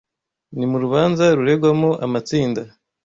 Ni mu rubanza ruregwamo amatsinda